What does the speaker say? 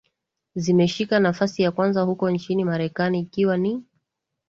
Zimeshika nafasi ya kwanza huko nchini Marekani ikiwa ni